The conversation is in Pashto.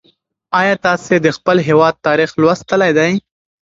ایا تاسې د خپل هېواد تاریخ لوستلی دی؟